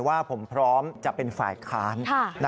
ว่าผมพร้อมจะเป็นฝ่ายค้าน